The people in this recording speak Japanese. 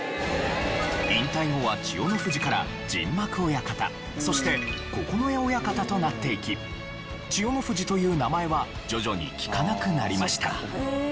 引退後は千代の富士から陣幕親方そして九重親方となっていき千代の富士という名前は徐々に聞かなくなりました。